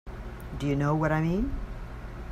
Do you know what I mean?